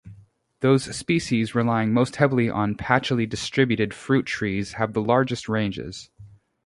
Those species relying most heavily on patchily distributed fruit trees have the largest ranges.